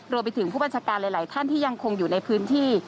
รวมไปถึงผู้บัญชาการหลายท่านที่ยังคงอยู่ในพื้นที่